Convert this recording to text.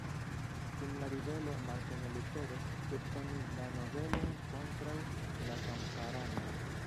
Dum la ribelo Marteno Lutero subtenis la nobelojn kontraŭ la kamparanoj.